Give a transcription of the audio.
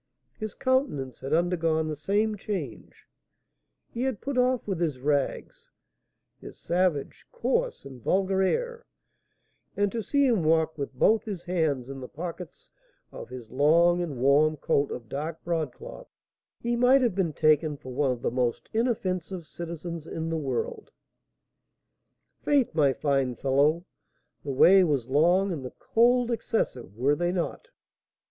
His countenance had undergone the same change; he had put off, with his rags, his savage, coarse, and vulgar air; and to see him walk with both his hands in the pockets of his long and warm coat of dark broadcloth, he might have been taken for one of the most inoffensive citizens in the world. "'Faith, my fine fellow, the way was long and the cold excessive; were they not?"